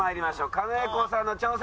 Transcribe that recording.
狩野英孝さんの挑戦。